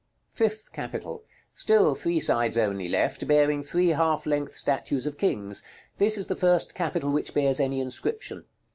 FIFTH CAPITAL. Still three sides only left, bearing three half length statues of kings; this is the first capital which bears any inscription.